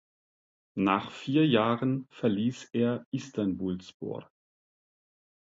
Nach vier Jahren verließ er Istanbulspor.